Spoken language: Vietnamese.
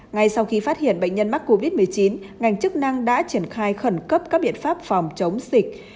ngay sau khi phát hiện bệnh nhân mắc covid một mươi chín ngành chức năng đã triển khai khẩn cấp các biện pháp phòng chống dịch